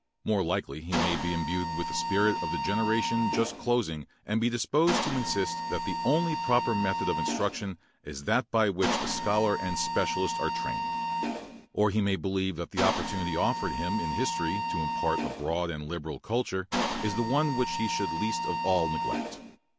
More likely he may be imbued with the spirit of the generation just closing and be disposed to insist that the only proper method of instruction is that by which the scholar and specialist are trained. Or he may believe that the opportunity offered him in history to impart a broad and liberal culture is the one which he should least of all neglect.